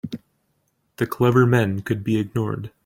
The clever men could be ignored.